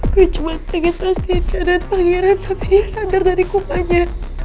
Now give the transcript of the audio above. gue cuma pengen pastiin dia dapet pangeran sampe dia sadar dari kumpanya